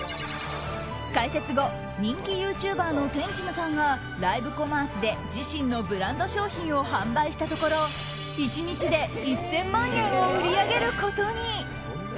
開設後、人気ユーチューバーのてんちむさんがライブコマースで自身のブランド商品を販売したところ、１日で１０００万円を売り上げることに。